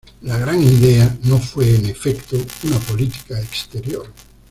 La Gran Idea no fue en efecto una política exterior.